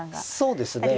そうですね。